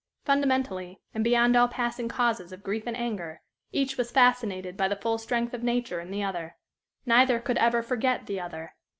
Fundamentally, and beyond all passing causes of grief and anger, each was fascinated by the full strength of nature in the other. Neither could ever forget the other.